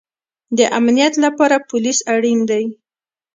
د امنیت لپاره پولیس اړین دی